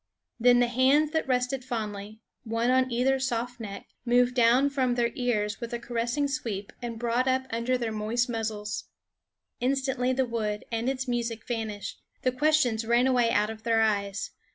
Then the hands that rested fondly, one on either soft neck, moved down from their ears with a caressing sweep and brought up under their moist muzzles. Instantly the wood and its music vanished; the questions ran away out of their eyes.